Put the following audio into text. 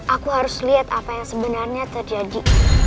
aku harus lihat apa yang sebenarnya terjadi